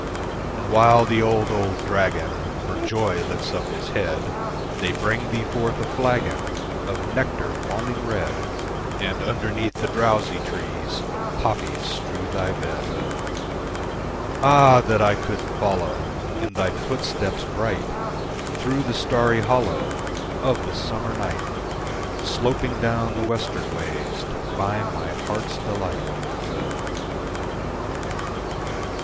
And while the old, old dragon For joy lifts up his head, They bring thee forth a flagon Of nectar foaming red, And underneath the drowsy trees Of poppies strew thy bed. Ah! that I could follow In thy footsteps bright, Through the starry hollow Of the summer night, Sloping down the western ways To find my heart's delight!